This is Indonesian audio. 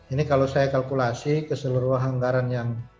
ini kalau saya kalkulasi keseluruhan anggaran yang